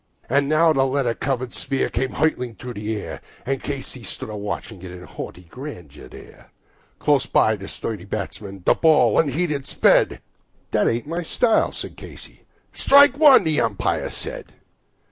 And now the leather covered sphere comes hurtling through the air, And Casey stands a watching it in haughty grandeur there. Close by the sturdy batsman the ball unheeded sped "That ain't my style," said Casey. "Strike one," the umpire said.